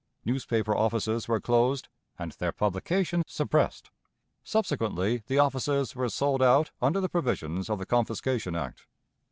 Newspaper offices were closed, and their publication suppressed. Subsequently the offices were sold out under the provisions of the confiscation act.